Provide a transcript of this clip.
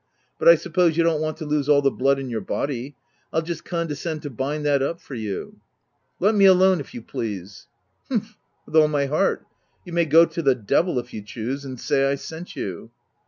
But I suppose you don't want to lose all the blood in your body — I'll just condescend to bind that up for you/' " Let me alone, if you please." u Humph ! with all my heart. You may go to the d 1 if you choose — and say I sent you."